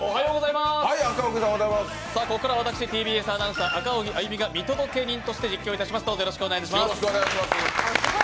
ここからは私、ＴＢＳアナウンサー・赤荻歩が見届け人として実況いたします。